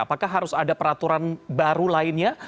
apakah harus ada peraturan baru lainnya